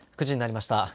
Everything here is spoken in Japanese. ９時になりました。